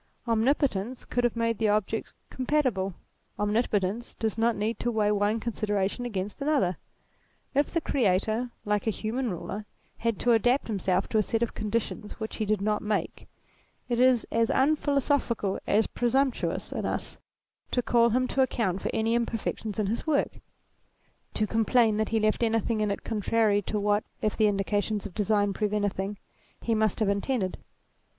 Omnipotence could have made the objects compatible. Omnipotence does not need to weigh one considera tion against another. If the Creator, like a human ruler, had to adapt himself to a set of conditions which he did not make, it is as unphilosophical as presumptuous in us to call him to account for any imperfections in his work ; to complain that he left anything in it contrary to what, if the indications of design prove anything, he must have intended.